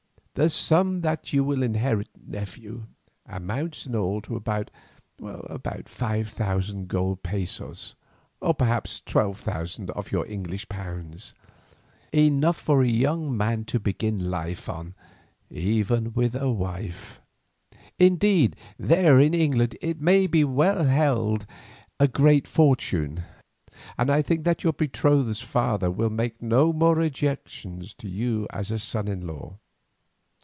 "The sum that you will inherit, nephew, amounts in all to about five thousand gold pesos, or perhaps twelve thousand of your English pounds, enough for a young man to begin life on, even with a wife. Indeed there in England it may well be held a great fortune, and I think that your betrothed's father will make no more objection to you as a son in law.